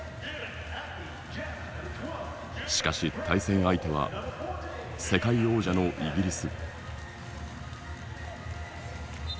しかし対戦相手は世界王者のイギリス。